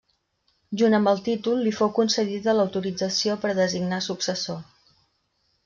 Junt amb el títol li fou concedida l'autorització per a designar successor.